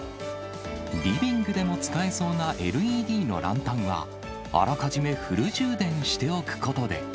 リビングでも使えそうなＬＥＤのランタンは、あらかじめフル充電しておくことで。